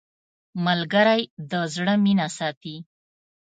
ملګری د زړه مینه ساتي